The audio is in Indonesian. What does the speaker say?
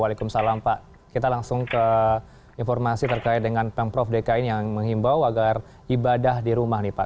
waalaikumsalam pak kita langsung ke informasi terkait dengan pemprov dki yang menghimbau agar ibadah di rumah nih pak